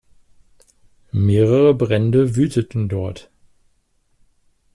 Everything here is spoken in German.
Mehrere Brände wüteten dort.